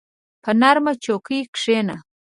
په نرمه چوکۍ کښېنه.